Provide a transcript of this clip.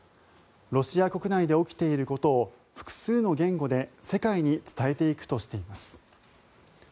ロシア国内で起きていることを複数の言語で世界に伝えていくとしています。